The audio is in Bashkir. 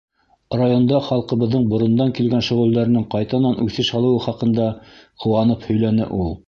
Районда халҡыбыҙҙың борондан килгән шөғөлдәренең ҡайтанан үҫеш алыуы хаҡында ҡыуанып һөйләне ул.